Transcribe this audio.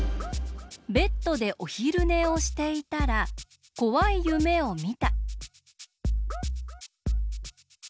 ベッドでおひるねをしていたらこわいゆめをみた。